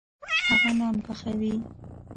هغه نان پخوي.